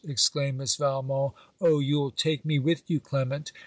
exclaimed Miss Valmont. 'Oh, you'll take me with you, Clement!'